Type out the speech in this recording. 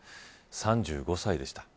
３５歳でした。